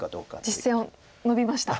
実戦ノビました。